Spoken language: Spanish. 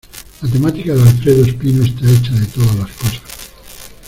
La temática de Alfredo Espino está hecha de todas las cosas.